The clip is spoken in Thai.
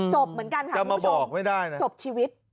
จบเหมือนกันค่ะจบชีวิต